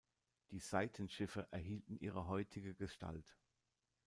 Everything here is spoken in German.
Die Seitenschiffe erhielten ihre heutige Gestalt.